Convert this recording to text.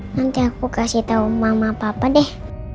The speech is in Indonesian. nanti aku kasih tau mama papa deh